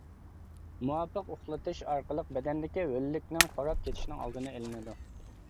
مۇۋاپىق ئۇخلىتىش ئارقىلىق بەدەندىكى ھۆللۈكنىڭ خوراپ كېتىشىنىڭ ئالدىنى ئېلىنىدۇ.